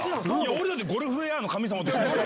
俺ゴルフウエアの神様として。